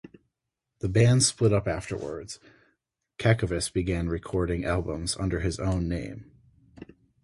The band split up afterwards; Cacavas began recording albums under his own name.